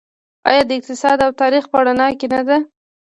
آیا د اقتصاد او تاریخ په رڼا کې نه ده؟